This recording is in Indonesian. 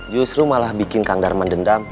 justru malah bikin kang darman dendam